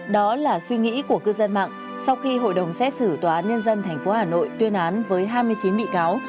đó là suy nghĩ của cư dân mạng sau khi hội đồng xét xử tòa án nhân dân tp hà nội tuyên án với hai mươi chín bị cáo